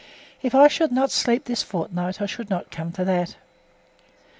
If I should not sleep this fortnight I should not come to that.